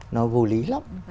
nó vô lý lắm